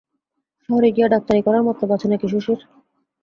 শহরে গিয়া ডাক্তারি করার মতলব আছে নাকি শশীর?